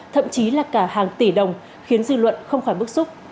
thậm chí là cả hàng tỷ đồng khiến dư luận không khỏi bức xúc